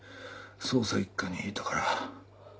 捜査一課にいたから。